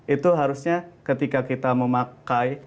itu harusnya ketika kita memakai